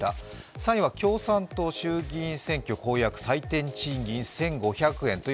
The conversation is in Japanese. ３位は共産党衆議院選挙公約、最低賃金１５００円。